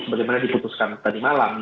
bagaimana diputuskan tadi malam